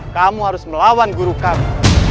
kamu harus melawan guru kami